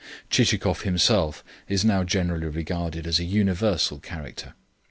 Chichikov himself is now generally regarded as a universal character.